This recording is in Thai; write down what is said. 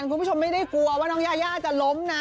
และคุณผู้ชมไม่ได้กลัวว่าน้องยาย่ากันอาจจะล้มนะ